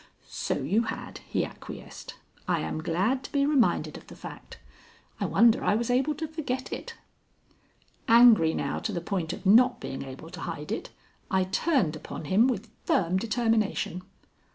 "So you had," he acquiesced. "I am glad to be reminded of the fact. I wonder I was able to forget it." Angry now to the point of not being able to hide it, I turned upon him with firm determination.